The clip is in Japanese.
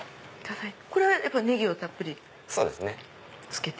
これはネギをたっぷりつけて。